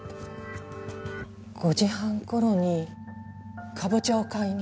５時半頃にカボチャを買いに。